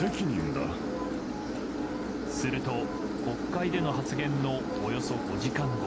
すると国会での発言のおよそ５時間後。